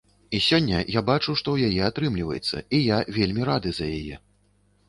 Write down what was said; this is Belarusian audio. І сёння я бачу, што ў яе атрымліваецца, і я вельмі рады за яе.